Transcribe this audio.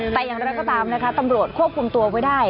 แต่อย่างไรก็ตามนะคะตำรวจควบคุมตัวไว้ได้